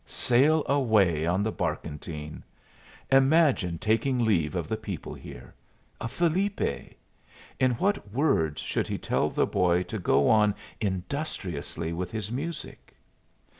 Sail away on the barkentine! Imagine taking leave of the people here of Felipe! In what words should he tell the boy to go on industriously with his music?